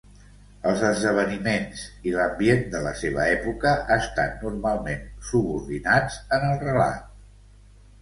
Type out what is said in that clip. Els esdeveniments i l'ambient de la seva època estan normalment subordinats en el relat.